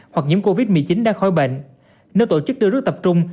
hoặc nhiễm covid một mươi chín đang khói bệnh nếu tổ chức đưa đứa tập trung